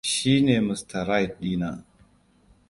Shi ne Mr. Right ɗina.